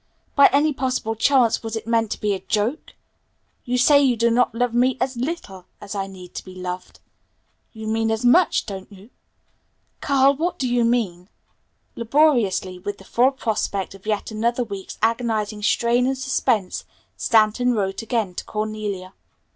By any possible chance was it meant to be a joke? You say you do not love me 'as little' as I need to be loved. You mean 'as much', don't you? Carl, what do you mean?" Laboriously, with the full prospect of yet another week's agonizing strain and suspense, Stanton wrote again to Cornelia.